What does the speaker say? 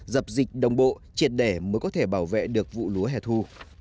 dập dịch đồng bộ triệt đẻ mới có thể bảo vệ được vụ lúa hè thu